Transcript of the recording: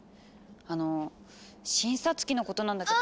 あの診察機のことなんだけど。